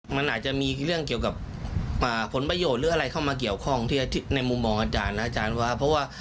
มันอาจจะมีเรื่องเกี่ยวกับผลประโยชน์หรืออะไรเข้ามาเกี่ยวข้องในมุมของอาจารย์นะอาจารย์ว่าเพราะว่า